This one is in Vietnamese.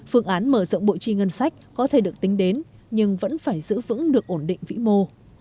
phương án mở rộng bộ chi ngân sách có thể được tính đến nhưng vẫn phải giữ vững được ổn định vĩ mô